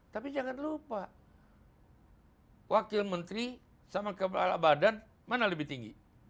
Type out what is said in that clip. tapi jangan lupa wakil menteri sama kepala badan mana lebih tinggi